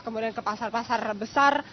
kemudian ke pasar pasar besar